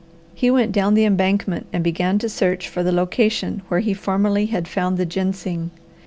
He went down the embankment and began to search for the location where he formerly had found the ginseng.